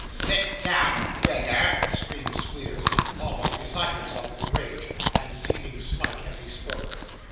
'Sit down, beggar!' screamed Squeers, almost beside himself with rage, and seizing Smike as he spoke.